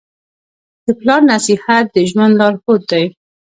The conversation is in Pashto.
د پلار نصیحت د ژوند لارښود دی.